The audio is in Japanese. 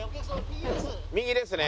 右ですね